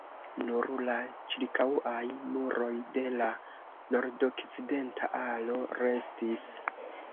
Nur la ĉirkaŭaj muroj de la nordokcidenta alo restis.